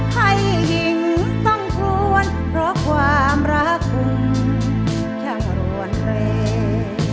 ใครจิ้มต้องควรเพราะความรักของทั้งรวนเลย